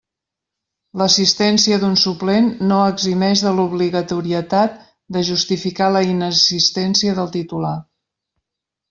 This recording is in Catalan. L'assistència d'un suplent no eximeix de l'obligatorietat de justificar la inassistència del titular.